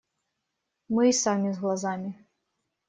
Мы и сами с глазами.